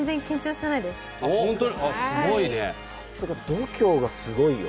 さすが度胸がすごいよ。